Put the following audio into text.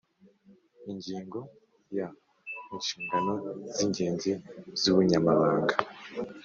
Ingingo ya inshingano z ingenzi z ubunyamabanga